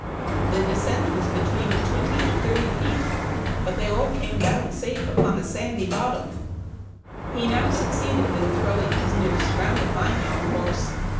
The descent was between twenty and thirty feet, but they all came down safe upon a sandy bottom. " He now succeeded in throwing his noose round a fine young horse.